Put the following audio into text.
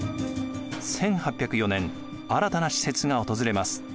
１８０４年新たな使節が訪れます。